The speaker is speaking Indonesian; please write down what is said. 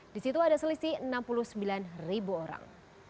di situ ada selisih enam puluh sembilan ribu orang